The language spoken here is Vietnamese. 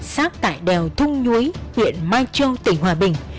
xác tại đèo thung nhuối huyện mai châu tỉnh hòa bình